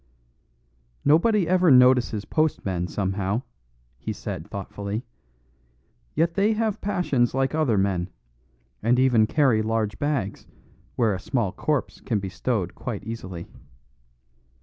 "Nobody ever notices postmen somehow," he said thoughtfully; "yet they have passions like other men, and even carry large bags where a small corpse can be stowed quite easily."